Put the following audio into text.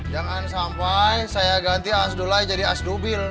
jangan sampai saya ganti as dolai jadi as dobil